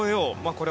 これ